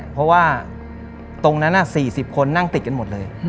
เพราะว่าตรงนั้น๔๐คนนั่งติดกันหมดเลย